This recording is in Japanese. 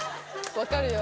わかるよ。